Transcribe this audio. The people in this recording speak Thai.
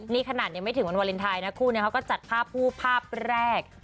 นี่ขนาดยังไม่ถึงวันวาเลนไทยนะคู่เขาก็จัดภาพคู่ภาพแรก